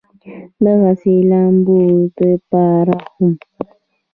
دغسې د لامبلو د پاره هم